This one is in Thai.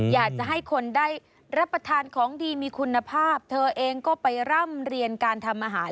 อยากจะให้คนได้รับประทานของดีมีคุณภาพเธอเองก็ไปร่ำเรียนการทำอาหาร